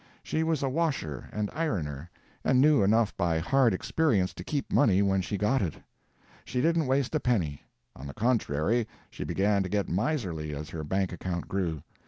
She was a washer and ironer, and knew enough by hard experience to keep money when she got it. She didn't waste a penny. On the contrary, she began to get miserly as her bank account grew.